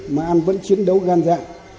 mà ăn vẫn chiến đấu gan dạng